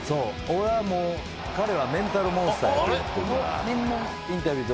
俺はもう彼はメンタルモンスターやと思ってるから。